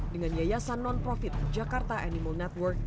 dengan yayasan non profit jakarta animal network